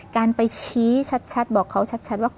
การไปชี้ชัดบอกเขาชัดว่า